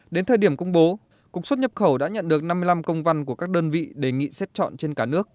đến thời điểm công bố cục xuất nhập khẩu đã nhận được năm mươi năm công văn của các đơn vị đề nghị xét chọn trên cả nước